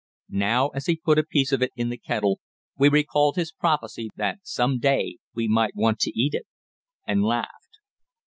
Now as he put a piece of it in the kettle, we recalled his prophecy that some day we might want to eat it, and laughed.